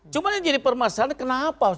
cuma yang jadi permasalahan kenapa harus